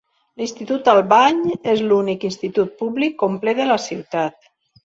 L'institut Albany és l'únic institut públic complet de la ciutat.